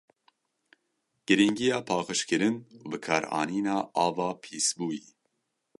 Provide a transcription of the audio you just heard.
Girîngiya paqijkirin û bikaranîna ava pîsbûyî.